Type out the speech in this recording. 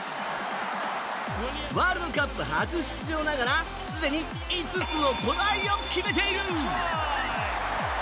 ワールドカップ初出場ながらすでに５つのトライを決めている！